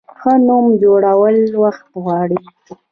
ښه نوم جوړول وخت غواړي.